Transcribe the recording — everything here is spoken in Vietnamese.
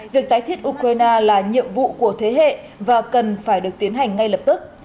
việc tái thiết ukraine là nhiệm vụ của thế hệ và cần phải được tiến hành ngay lập tức